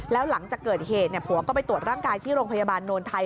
แล้วหลังจากเกิดเหตุผัวก็ไปตรวจร่างกายที่โรงพยาบาลโนนไทย